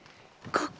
ここ？